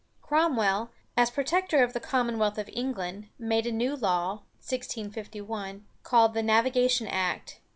Cromwell, as Protector of the Commonwealth of England, made a new law (1651), called the Navigation Act.